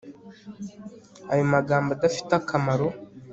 ayo magambo adafite akamaro